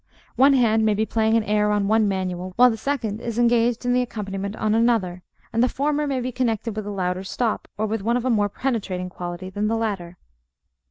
One hand may be playing an air on one manual, while the second is engaged in the accompaniment on another; and the former may be connected with a louder stop, or with one of a more penetrating quality than the latter.